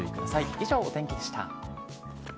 以上、お天気でした。